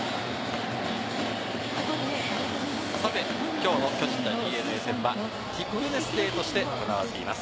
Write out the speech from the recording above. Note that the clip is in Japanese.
きょうの巨人対ＤｅＮＡはティップネスデーとして行われています。